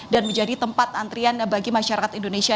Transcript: dan menjadi tempat antrian bagi masyarakat indonesia